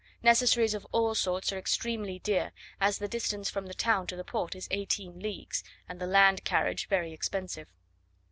Necessaries of all sorts are extremely dear; as the distance from the town to the port is eighteen leagues, and the land carriage very expensive.